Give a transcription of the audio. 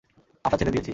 আশা ছেড়ে দিয়েছি।